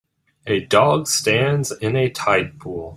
A dog stands in a tide pool